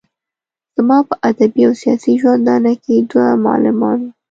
زما په ادبي او سياسي ژوندانه کې دوه معلمان وو.